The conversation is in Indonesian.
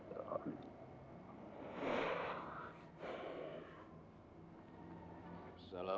mungkin pendatang saya akan mencari siapa